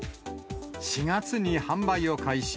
４月に販売を開始。